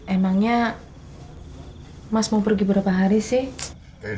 emangnya mas mau pergi berapa hari sih